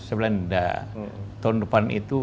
saya bilang tidak tahun depan itu